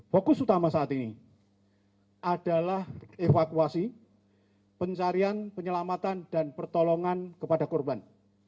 fokus utama saat ini adalah evakuasi pencarian penyelamatan dan pertolongan kepada korban